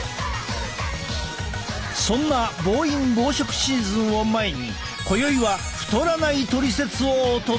そんな暴飲暴食シーズンを前に今宵は太らないトリセツをお届け！